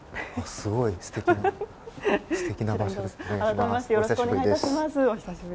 すごい、すてきな場所ですね。